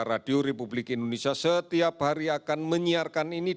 radio republik indonesia setiap hari akan menyiarkan ini